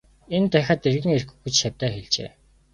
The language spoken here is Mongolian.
Энд дахиад эргэн ирэхгүй гэж шавьдаа хэлжээ.